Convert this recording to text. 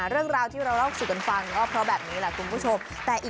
เรื่องราวที่เราเล่าสู่กันฟังก็เพราะแบบนี้แหละคุณผู้ชมแต่อีก